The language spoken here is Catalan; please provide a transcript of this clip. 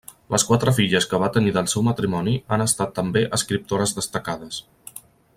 Les quatre filles que va tenir del seu matrimoni han estat també escriptores destacades.